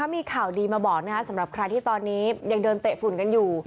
มีข่าวดีมาบอกนะครับสำหรับใครที่ตอนนี้ยังเดินเตะฝุ่นกันอยู่